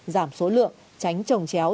giảm số lượng tránh trồng chéo